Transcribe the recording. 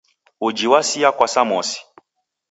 Uji wasia kwa samosi